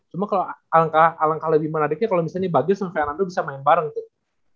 cuma kalo alangkah lebih menariknya kalo misalnya bagir sama fernando bisa main bareng tuh